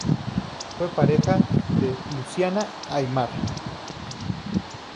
Fue pareja de Luciana Aymar.